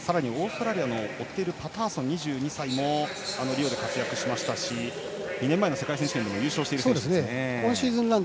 さらにオーストラリアのパターソンもリオで活躍しましたし２年前の世界選手権でも優勝している選手です。